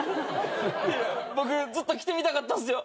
僕ずっと来てみたかったんすよ。